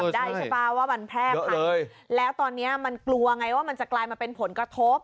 ได้ใช่ป่ะว่ามันแพร่พันแล้วตอนนี้มันกลัวไงว่ามันจะกลายมาเป็นผลกระทบ